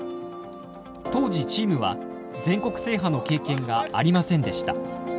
当時チームは全国制覇の経験がありませんでした。